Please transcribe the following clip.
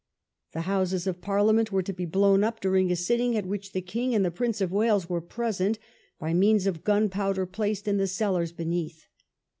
The Houses of Parliament were to be blown up during a sitting, at which the king and the Prince of Wales were to be present, by means of gunpowder placed in the cellars beneath.